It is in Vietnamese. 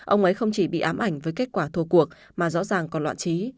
ông ấy không chỉ bị ám ảnh với kết quả thô cuộc mà rõ ràng còn loạn trí